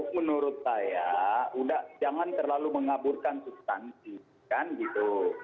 menurut saya jangan terlalu mengaburkan substansi kan gitu